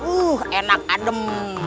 uh enak adem